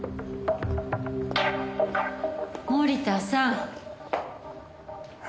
森田さん。